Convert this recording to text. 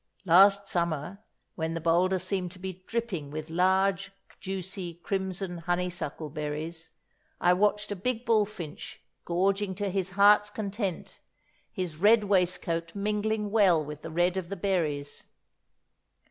Last summer, when the boulder seemed to be dripping with large juicy crimson honeysuckle berries, I watched a big bullfinch gorging to his heart's content, his red waistcoat mingling well with the red of the berries.